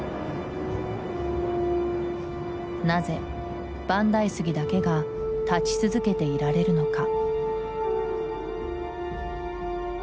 なぜ万代杉だけが立ち続けていられるのか？